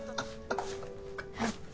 はい。